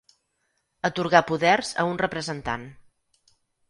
Atorgar poders a un representant.